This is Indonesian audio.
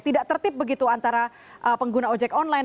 tidak tertib begitu antara pengguna ojek online